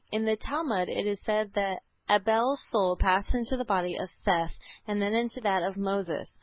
In the Talmud it is said that Abel's soul passed into the body of Seth, and then into that of Moses.